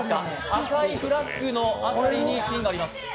赤いフラッグのあたりにピンがあります。